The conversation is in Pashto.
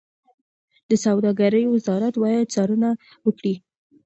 د سوداګرۍ وزارت باید څارنه وکړي.